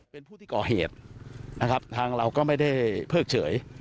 เป็นผู้ที่ก่อเหตุนะครับทางเราก็ไม่ได้เพิกเฉย